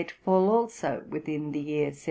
fall also within the year 1772.